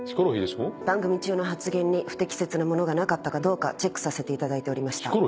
番組中の発言に不適切なものがなかったかどうかチェックさせていただいておりました。